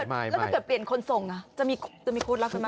แล้วถ้าเกิดเปลี่ยนคนส่งจะมีโค้ดรับใช่ไหม